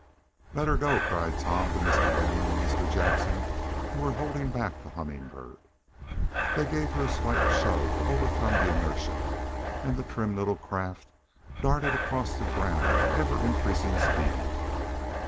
"Let her go!" cried Tom to Mr. Damon and Mr. Jackson, who were holding back the Humming Bird. They gave her a slight shove to over come the inertia, and the trim little craft darted across the ground at every increasing speed.